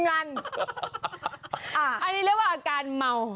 อันนี้เรียกว่าอาการเมา